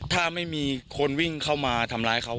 ถ้าไม่มีคนวิ่งเข้ามาทำร้ายเขา